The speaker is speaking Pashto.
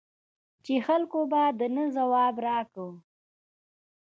چې خلکو به د نه ځواب را کاوه.